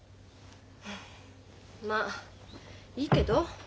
まっいいけど。